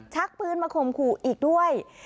ชักปืนมาข่มขู่อีกด้วย